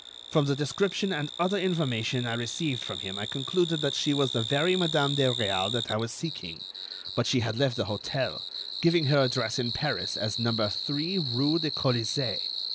From the description and other information I received from him, I concluded that she was the very Madame de Réal that I was seeking; but she had left the hotel, giving her address in Paris as number three rue de Colisée.